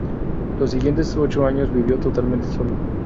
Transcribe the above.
Los siguientes ocho años vivió totalmente solo.